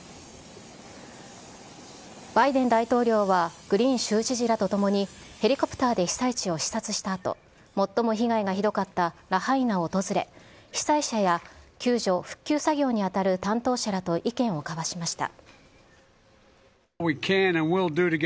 バイデン大統領はグリーン州知事らとともに、ヘリコプターで被災地を視察したあと、最も被害がひどかったラハイナを訪れ、被災者や救助・復旧作業に当たる担当者らと意見を交わしました。